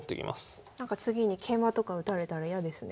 次に桂馬とか打たれたら嫌ですね。